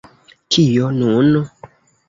Kio nun?